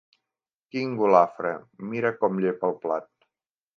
Quin golafre: mira com llepa el plat!